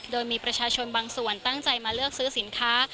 โดยมีประชาชนบางส่วนตั้งใจมาเลือกซื้อสินค้า